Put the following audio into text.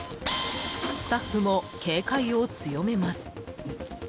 スタッフも警戒を強めます。